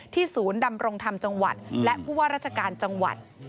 ศูนย์ดำรงธรรมจังหวัดและผู้ว่าราชการจังหวัด